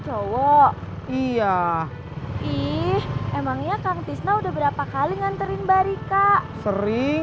cowok iya ih emangnya kang tisna udah berapa kali nganterin mbak rika sering